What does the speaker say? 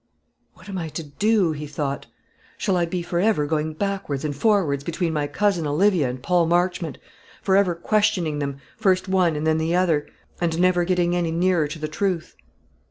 "What am I to do?" he thought. "Shall I be for ever going backwards and forwards between my Cousin Olivia and Paul Marchmont; for ever questioning them, first one and then the other, and never getting any nearer to the truth?"